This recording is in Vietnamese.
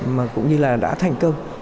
mà cũng như là đã thành công